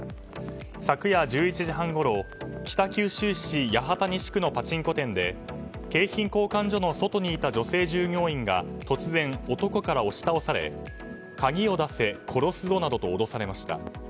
昨夜１１時半ごろ北九州市八幡西区のパチンコ店で景品交換所の外にいた女性従業員が突然、男から押し倒され鍵を出せ、殺すぞなどと脅されました。